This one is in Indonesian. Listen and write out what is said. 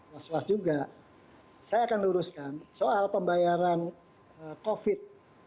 mas was juga saya akan luruskan soal pembayaran covid sembilan belas